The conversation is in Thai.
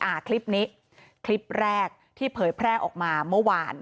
อ่าคลิปนี้คลิปแรกที่เผยแพร่ออกมาเมื่อวาน